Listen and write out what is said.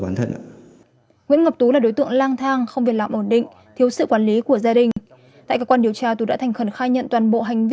nguyễn ngọc tú là đối tượng lang thang không việc làm ổn định thiếu sự quản lý của gia đình